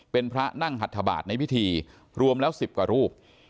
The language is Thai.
เป็นพระนั่งหัทธบาทในพิธีรวมแล้ว๑๐กว่ารูป